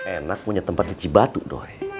enak punya tempat di cibatu dong